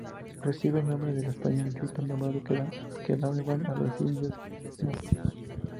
Recibe el nombre del español "Yuta", nombre que daban a los indios nativos "Ute".